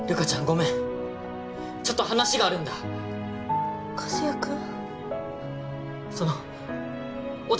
ごめんちょっと話があるんだ和也くん？